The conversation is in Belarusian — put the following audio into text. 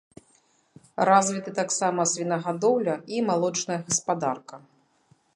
Развіты таксама свінагадоўля і малочная гаспадарка.